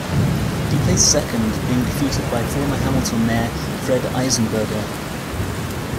He placed second, being defeated by former Hamilton Mayor Fred Eisenberger.